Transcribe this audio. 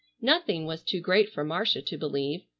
Nothing was too great for Marcia to believe.